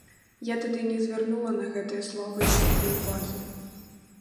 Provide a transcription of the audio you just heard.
Я тады не звярнула на гэтыя словы ніякай увагі.